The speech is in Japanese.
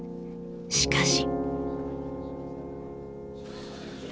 しかし。